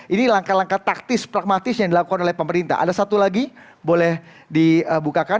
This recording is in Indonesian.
ini langkah langkah taktis pragmatis yang dilakukan oleh pemerintah ada satu lagi boleh dibukakan